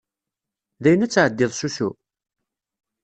Dayen ad tεeddiḍ s usu?